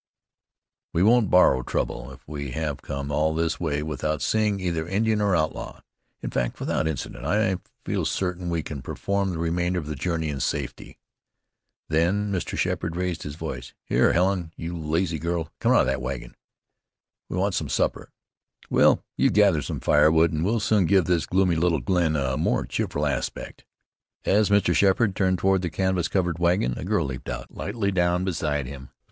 "We won't borrow trouble. If we have come all this way without seeing either Indian or outlaw in fact, without incident I feel certain we can perform the remainder of the journey in safety." Then Mr. Sheppard raised his voice. "Here, Helen, you lazy girl, come out of that wagon. We want some supper. Will, you gather some firewood, and we'll soon give this gloomy little glen a more cheerful aspect." As Mr. Sheppard turned toward the canvas covered wagon a girl leaped lightly down beside him.